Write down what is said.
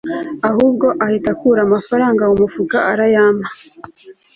ahubwo ahita akura amafaranga mu mufuka arayampa